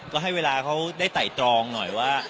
ก็ให้เวลาเขาได้ไต่ตรองหน่อยว่า